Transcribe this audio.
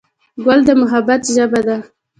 ګل د محبت ژبه ده.